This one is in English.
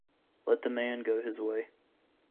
Let the man go his way'.